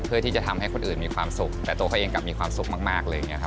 เพื่อที่จะทำให้คนอื่นมีความสุขแต่ตัวเขาเองกลับมีความสุขมาก